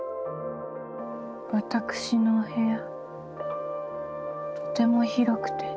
私のお部屋とても広くて。